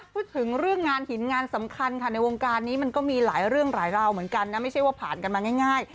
พูดถึงเรื่องงานหินงานสำคัญค่ะในวงการนี้มันก็มีหลายเรื่องหลายราวเหมือนกันนะไม่ใช่ว่าผ่านกันมาง่าย